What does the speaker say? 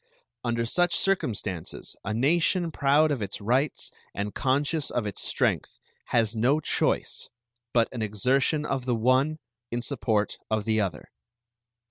Under such circumstances a nation proud of its rights and conscious of its strength has no choice but an exertion of the one in support of the other.